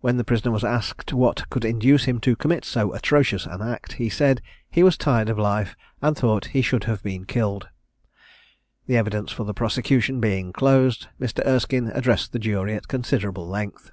When the prisoner was asked what could induce him to commit so atrocious an act, he said he was tired of life, and thought he should have been killed. The evidence for the prosecution being closed, Mr. Erskine addressed the jury at considerable length.